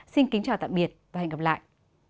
xin kính chào tạm biệt và hẹn gặp lại